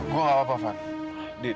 gue gak apa apa fad